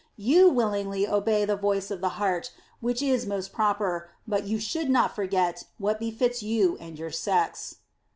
You willingly obey the voice of the heart, which is most proper, but you should not forget what befits you and your sex."